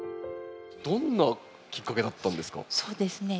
どんなきっかけだったんですか？